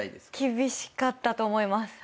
厳しかったと思います。